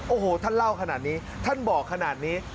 โอ้โหท่านเล่าขนาดนี้ท่านบอกขนาดนี้